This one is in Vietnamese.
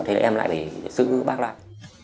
thì em lại phải giữ bác lại